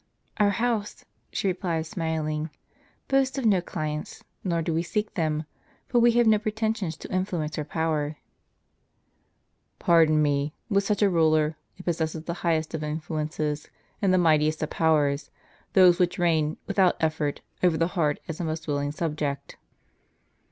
"Our house," she replied, smiling, "boasts of no clients, nor do we seek them ; for we have no pretensions to influence or power." " Pardon me ; with such a ruler, it possesses the highest of influences and the mightiest of powers, those which reign, without effort, over the heart as a most willing subject."